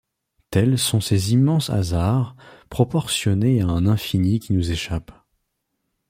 Tels sont ces immenses hasards, proportionnés à un infini qui nous échappe.